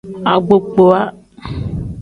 Agbokpowa.